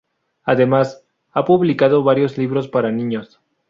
Además, ha publicado varios libros para niños.